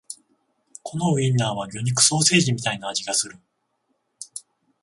このウインナーは魚肉ソーセージみたいな味がする